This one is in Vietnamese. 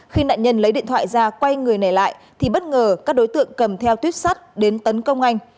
khi nạn nhân lấy điện thoại ra quay người này lại thì bất ngờ các đối tượng cầm theo tuyết sắt đến tấn công anh